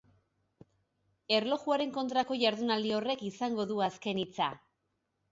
Erlojuaren kontrako jardunaldi horrek izango du azken hitza.